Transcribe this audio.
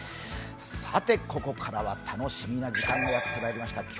ここからは楽しみな時間がやってまいりました。